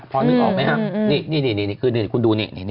พอนึกออกไหมครับนี่คือคุณดูนี่